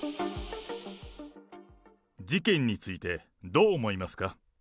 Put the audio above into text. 事件についてどう思いますか？